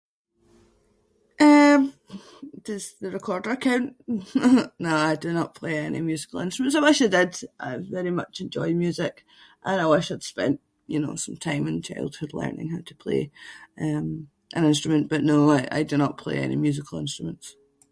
Um does the recorder count? Nah, I do not play any musical instruments. I wish I did. I very much enjoy music and I wish I’d spent, you know, some time in childhood learning how to play um an instrument but no, like I do not play any musical instruments.